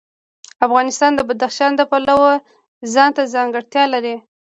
افغانستان د بدخشان د پلوه ځانته ځانګړتیا لري.